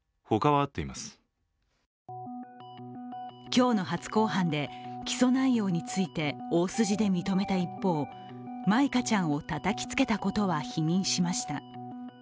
今日の初公判で起訴内容について大筋で認めた一方舞香ちゃんをたたきつけたことは否認しました。